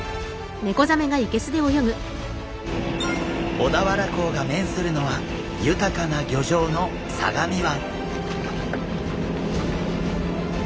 小田原港が面するのは豊かな漁場の相模湾。